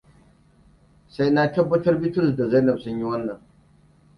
Sai na tabbatar Bitrus da Zainab sun yi wannan.